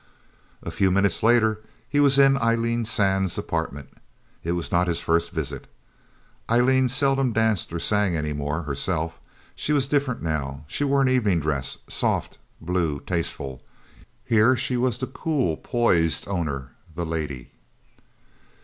A few minutes later, he was in Eileen Sands' apartment. It was not his first visit. Eileen seldom danced or sang, anymore, herself. She was different, now. She wore an evening dress soft blue, tasteful. Here, she was the cool, poised owner, the lady.